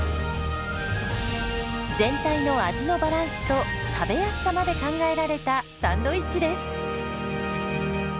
全体の味のバランスと食べやすさまで考えられたサンドイッチです。